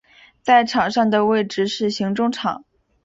在场上的位置是型中场。